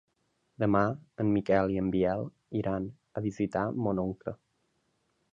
Demà en Miquel i en Biel iran a visitar mon oncle.